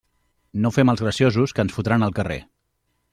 No fem els graciosos, que ens fotran al carrer.